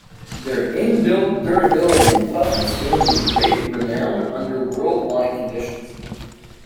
Their inbuilt durability and toughness gained them great renown under worldwide conditions.